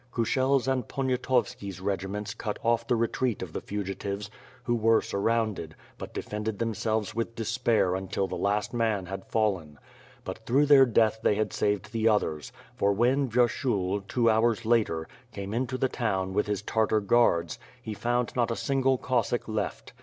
Kushel's and Poniatovski's regiments cut off the retreat of the fugitives,, who were surrounded, but defended themselves with despair until the last man had fallen. But through their death they had saved the others, for when, Vyershul, two hours later, came into the town, with his Tartar guards, he found not a single Cossack left.